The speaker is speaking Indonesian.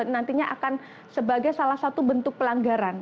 nantinya akan sebagai salah satu bentuk pelanggaran